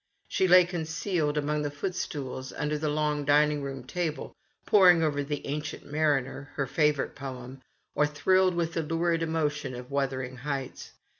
She lay concealed among the footstools under the long dining room table, poring over " The Ancient Mariner" — her favourite poem — or thrilled with the lurid emotion of " Wuther ing Heights."